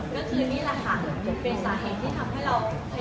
ก็คืนนี่ละคะคือเป็นสาเหตุที่ทำให้เราพยายาม